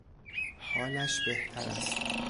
حالش بهتر است.